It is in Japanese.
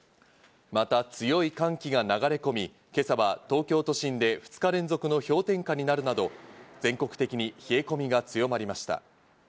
また強い寒気が流れ込み、今朝は東京都心で２日連続の氷点下になるなど、全国的に冷え込みが強まりました。